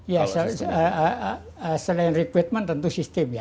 ya selain rekrutmen tentu sistemnya